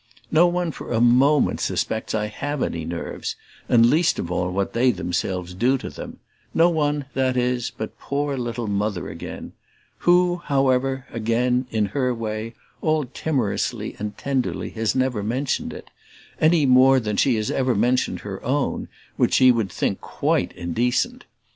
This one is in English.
No one for a moment suspects I have any nerves, and least of all what they themselves do to them; no one, that is, but poor little Mother again who, however, again, in her way, all timorously and tenderly, has never mentioned it: any more than she has ever mentioned her own, which she would think quite indecent.